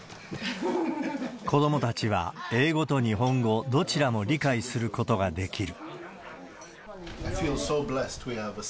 子どもたちは英語と日本語、どちらも理解することができる。